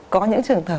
có những trường thờ